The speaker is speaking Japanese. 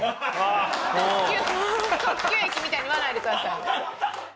特急駅みたいに言わないでください。